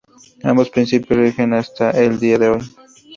Ambos principios rigen hasta el día de hoy.